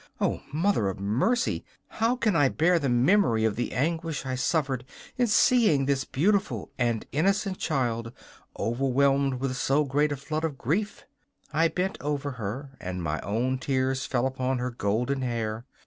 O Mother of Mercy! how can I bear the memory of the anguish I suffered in seeing this beautiful and innocent child overwhelmed with so great a flood of grief? I bent over her, and my own tears fell upon her golden hair.